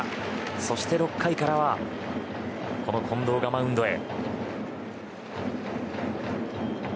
そして６回からはこの近藤がマウンドへ。